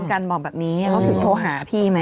กันบอกแบบนี้เขาถึงโทรหาพี่ไหม